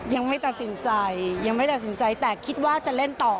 ยังไม่ตัดสินใจยังไม่ตัดสินใจแต่คิดว่าจะเล่นต่อ